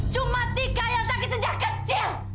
cuma tika yang sakit sejak kecil